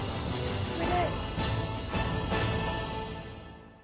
お願い。